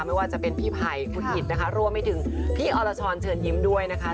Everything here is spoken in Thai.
ไม่ว่าจะเป็นพี่ไผ่คุณอิตนะคะรวมไปถึงพี่อรชรเชิญยิ้มด้วยนะคะ